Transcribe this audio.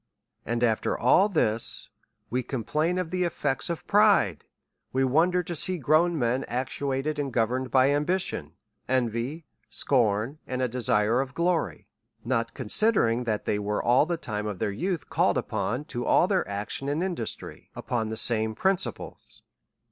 And after all this, we complain of the effects of pride ; we wonder to see grown men actuated and go verned by ambition, envy, scorn, and a desire of g lory ; not considering that they were all the time of their youth, called upon to all their action and industry upon the same principles.